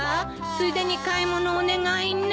ついでに買い物お願いね。